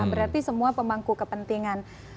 berarti semua pemangku kepentingan